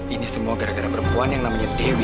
ini semua gara gara perempuan yang namanya dewi